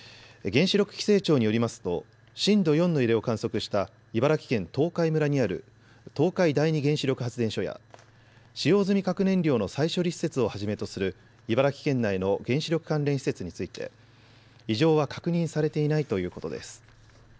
原子力規制庁によりますと震度４の揺れを観測した茨城県東海村にある東海第二原子力発電所や使用済み核燃料の再処理施設をはじめとする茨城県内の原子力関連施設について異常は確認されていないということです。